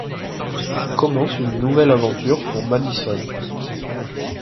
Commence une nouvelle aventure pour Madison...